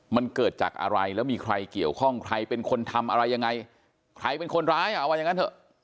มันเกิดจากอะไรแล้วมีใครเกี่ยวข้องใครเป็นคนทำอะไรยังไงใครเป็นคนร้ายอ่ะเอาว่าอย่างนั้นเถอะ